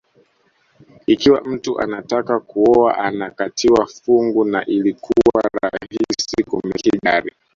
Ikiwa mtu anataka kuoa anakatiwa fungu na ilikuwa rahisi kumiliki gari